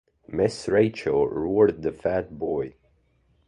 ‘Miss Rachael,’ roared the fat boy.